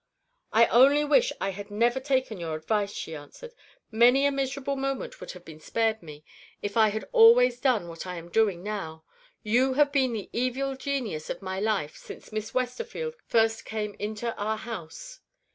"I only wish I had never taken your advice," she answered. "Many a miserable moment would have been spared me, if I had always done what I am doing now. You have been the evil genius of my life since Miss Westerfield first came into our house."